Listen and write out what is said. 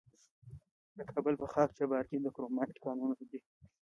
د کابل په خاک جبار کې د کرومایټ کانونه دي.